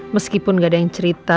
meskipun gak ada yang cerita